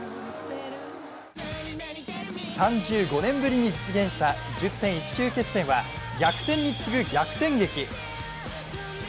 ３５年ぶりに実現した１０．１９決戦は逆転に次ぐ逆転劇。